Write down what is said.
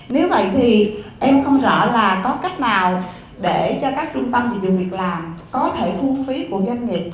nếu vậy thì em không rõ là có cách nào để cho các trung tâm dịch vụ việc làm có thể thu phí của doanh nghiệp